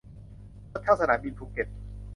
รถเช่าสนามบินภูเก็ต